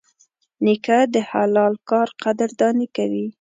نیکه د حلال کار قدرداني کوي.